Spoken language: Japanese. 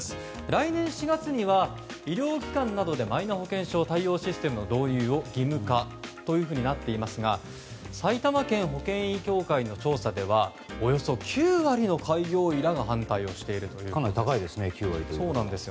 来年４月には医療機関などでマイナ保険証対応システムの導入を義務化となっていますが埼玉県保険医協会の調査ではおよそ９割の開業医らが反対しているということです。